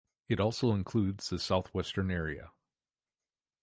It also includes the southwestern area.